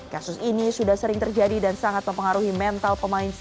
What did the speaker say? kasus ini sudah sering terjadi dan sangat mempengaruhi mental pemain